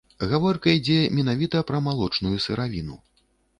Гаворка ідзе менавіта пра малочную сыравіну.